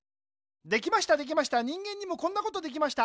できましたできました人間にもこんなことできました。